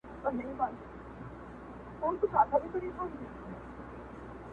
ستا شامت به مي په پاکو وینو کښېوزي.!